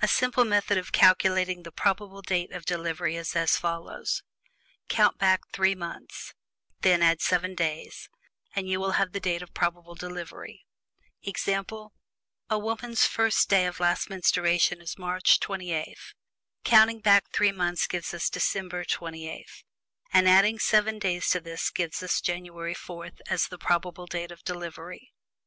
A simple method of calculating the probable date of delivery is as follows: COUNT BACK THREE MONTHS, AND THEN ADD SEVEN DAYS, AND YOU WILL HAVE THE DATE OF PROBABLE DELIVERY. Example: A woman's FIRST DAY OF LAST MENSTRUATION is March 28. Counting back three months gives us December 28; and adding seven days to this gives us January 4, as the date of probable delivery.